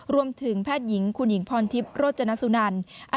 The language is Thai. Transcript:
รวมถึงแพทย์หญิงคุณหญิงพรทิพย์โรจนสุนันทร์